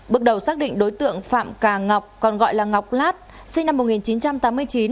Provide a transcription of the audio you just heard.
bước đầu xác định đối tượng phạm cà ngọc còn gọi là ngọc lát sinh năm một nghìn chín trăm tám mươi chín